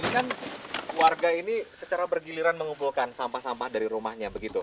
kan warga ini secara bergiliran mengumpulkan sampah sampah dari rumahnya begitu